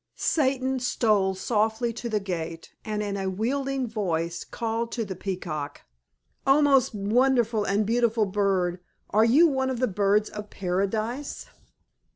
Satan stole softly to the gate and in a wheedling voice called to the Peacock, "O most wonderful and beautiful bird! Are you one of the birds of Paradise?"